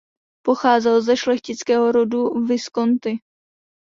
Pocházel ze šlechtického rodu Visconti.